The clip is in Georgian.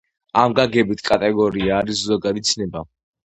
ამ გაგებით კატეგორია არის ზოგადი ცნება.